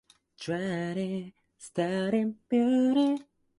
Larsen scored five goals in ten games and returned to Toulouse.